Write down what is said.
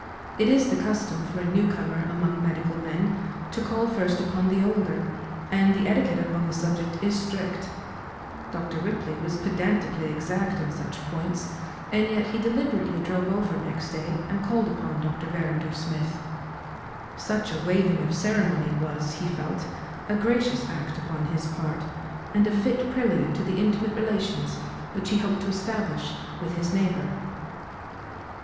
It is the custom for a new comer among medical men to call first upon the older, and the etiquette upon the subject is strict. Dr. Ripley was pedantically exact on such points, and yet he deliberately drove over next day and called upon Dr. Verrinder Smith. Such a waiving of ceremony was, he felt, a gracious act upon his part, and a fit prelude to the intimate relations which he hoped to establish with his neighbour.